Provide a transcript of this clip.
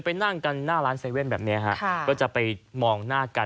ไปนั่งกันหน้าร้านเซเว่นแบบเนี้ยฮะก็จะไปมองหน้ากัน